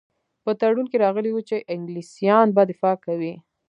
په تړون کې راغلي وو چې انګلیسیان به دفاع کوي.